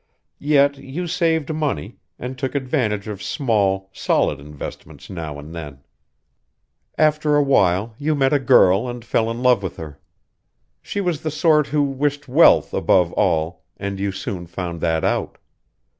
Yet you saved money, and took advantage of small, solid investments now and then. "After a while you met a girl and fell in love with her. She was the sort who wished wealth above all, and you soon found that out.